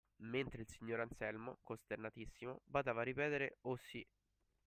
Mentre il signor Anselmo, costernatissimo, badava a ripetere: "Oh, sì"